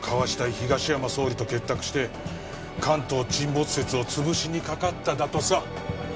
東山総理と結託して関東沈没説をつぶしにかかっただとさ